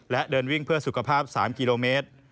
และเดินวิ่งเพื่อสุขภาพ๓กิโลเมตร